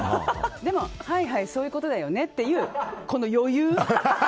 でも、はいはいそういうことだよねっていうこの余裕。